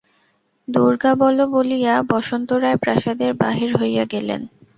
দুর্গা বলো বলিয়া বসন্ত রায় প্রাসাদের বাহির হইয়া গেলেন।